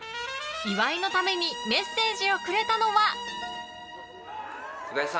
岩井のためにメッセージをくれたのは。